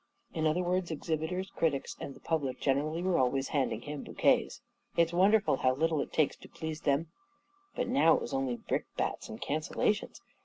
In other words, exhibitors, critics, and the public generally were always handing him bouquets. It's wonderful how little it takes to please them I But now it was only brick bats and cancellations.